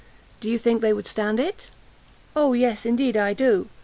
do you think they would stand it?" "O yes, indeed I do!